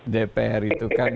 dpr itu kan